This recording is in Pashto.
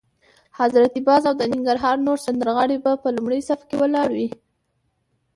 حضرت باز او د ننګرهار نور سندرغاړي به په لومړي صف کې ولاړ وي.